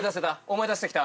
思い出してきた？